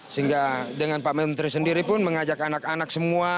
sehingga dengan pak menteri sendiri pun mengajak anak anak semua